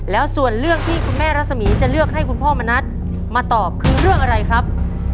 แล้วส่วนเรื่องที่คุณแม่รัศมีร์จะเลือกให้คุณพ่อมณัฐมาตอบคือเรื่องอะไรครับ